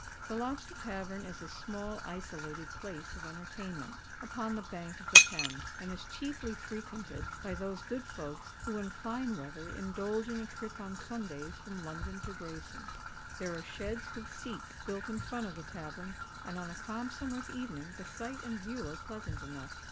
The Lobster Tavern is a small isolated place of entertainment, upon the bank of the Thames, and is chiefly frequented by those good folks who, in fine weather, indulge in a trip on Sundays from London to Gravesend. There are sheds, with seats, built in front of the tavern; and on a calm summer's evening, the site and view are pleasant enough.